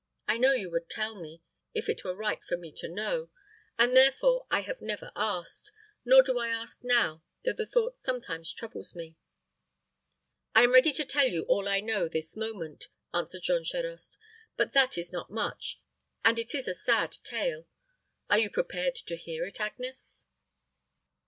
I know you would tell me, if it were right for me to know, and therefore I have never asked nor do I ask now, though the thought sometimes troubles me." "I am ready to tell you all I know this moment," answered Jean Charost; "but that is not much, and it is a sad tale. Are you prepared to hear it, Agnes?"